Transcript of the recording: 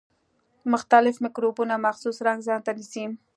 مختلف مکروبونه مخصوص رنګ ځانته نیسي.